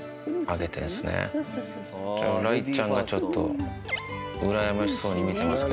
ちょっとうらやましそうに見てますけど。